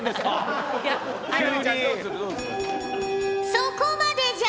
そこまでじゃ。